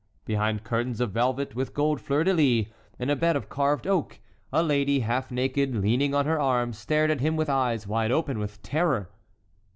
Behind curtains of velvet with gold fleurs de lis, in a bed of carved oak, a lady, half naked, leaning on her arm, stared at him with eyes wide open with terror.